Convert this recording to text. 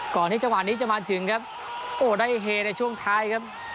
จังหวะที่จังหวะนี้จะมาถึงครับโอ้ได้เฮในช่วงท้ายครับ